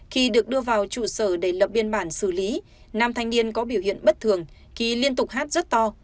khi được đưa vào trụ sở để lập biên bản xử lý nam thanh niên có biểu hiện bất thường ký liên tục hát rất to